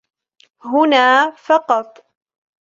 هنا فقط.